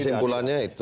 tapi simpulannya itu